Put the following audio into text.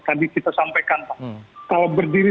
tadi kita sampaikan pak kalau berdiri